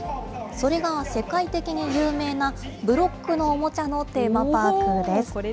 それが世界的に有名なブロックのおもちゃのテーマパークです。